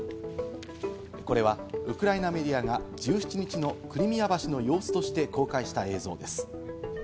これはウクライナメディアが１７日のクリミア橋の様子として公開した映像です。